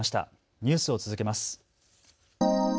ニュースを続けます。